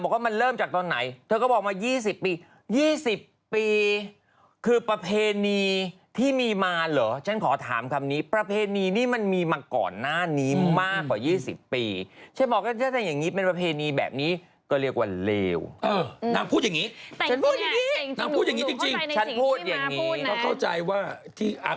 เขาเข้าใจว่าขออนุญาตนิดนึงว่า